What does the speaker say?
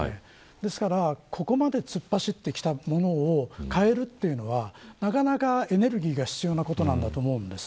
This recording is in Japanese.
ですから、ここまで突っ走ってきたものを変えるというのは、なかなかエネルギーが必要なことなんだと思うんです。